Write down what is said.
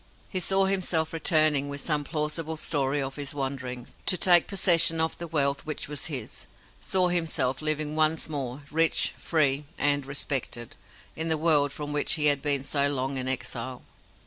He saw himself returning, with some plausible story of his wanderings, to take possession of the wealth which was his saw himself living once more, rich, free, and respected, in the world from which he had been so long an exile.